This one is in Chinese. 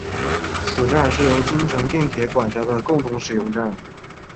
此站是由京成电铁管辖的共同使用站。